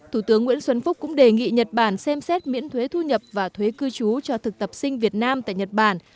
thủ tướng nguyễn xuân phúc cũng đề nghị nhật bản xem xét miễn thuế thu nhập và thuế cư trú cho thực tập sinh việt nam tại nhật bản